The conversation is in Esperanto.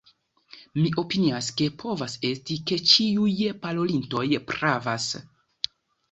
Mi opinias, ke povas esti, ke ĉiuj parolintoj pravas.